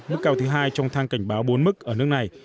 mức cao thứ hai trong thang cảnh báo bốn mức ở nước này